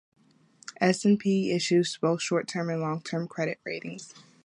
S and P issues both short-term and long-term credit ratings.